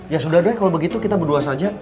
ya sudah deh kalau begitu kita berdua saja